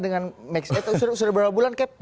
yang max itu sudah berapa bulan keb